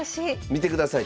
見てください。